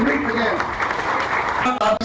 make indonesia great again